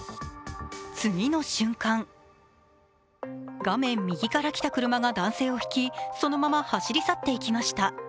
次の瞬間、画面右から来た車が男性をひき、そのまま走り去っていきました。